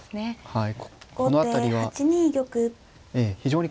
はい。